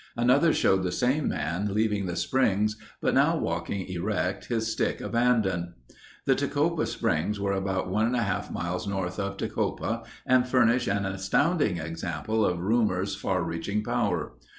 Another showed the same man leaving the springs but now walking erect, his stick abandoned. The Tecopa Springs are about one and a half miles north of Tecopa and furnish an astounding example of rumor's far reaching power.